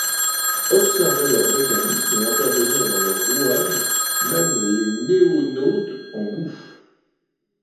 observer leur mécanismes et intervenir dans leurs rouages Même les NoéNautes en bouffent.